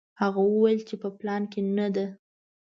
هغه وویل چې په پلان کې نه ده.